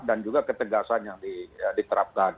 dan juga ketegasan yang diderikan